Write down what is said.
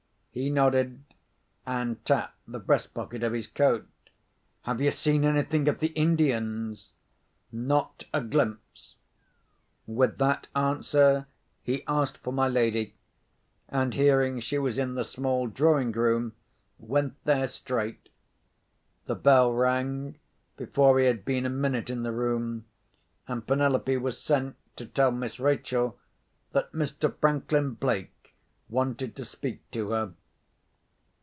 He nodded, and tapped the breast pocket of his coat. "Have you seen anything of the Indians?" "Not a glimpse." With that answer, he asked for my lady, and, hearing she was in the small drawing room, went there straight. The bell rang, before he had been a minute in the room, and Penelope was sent to tell Miss Rachel that Mr. Franklin Blake wanted to speak to her.